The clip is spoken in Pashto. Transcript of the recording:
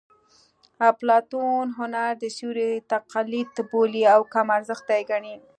اپلاتون هنر د سیوري تقلید بولي او کم ارزښته یې ګڼي